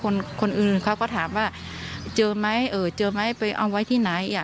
คนอื่นเขาก็ถามว่าเจอไหมเออเจอไหมไปเอาไว้ที่ไหนอ่ะ